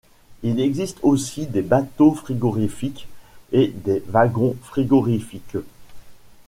Il existe aussi des bateaux frigorifiques et des wagons frigorifiques.